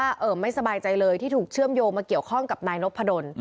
ตำรวจบอกว่าเอ่อไม่สบายใจเลยที่ถูกเชื่อมโยงมาเกี่ยวข้องกับนายนพะดน